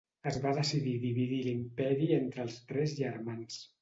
Es va decidir dividir l'Imperi entre els tres germans.